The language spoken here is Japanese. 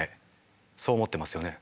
そう思ってますよね？